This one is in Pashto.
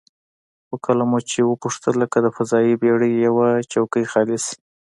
خو کله مو چې وپوښتله که د فضايي بېړۍ یوه څوکۍ خالي شي،